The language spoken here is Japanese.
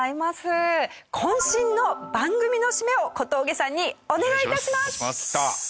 渾身の番組の締めを小峠さんにお願い致します！